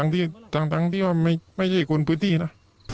ที่ว่าไม่ใช่คนพื้นที่นะ